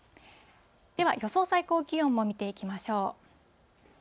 では予想最高気温も見ていきましょう。